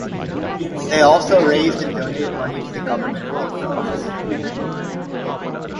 They also raised and donated money to the Government relief funds.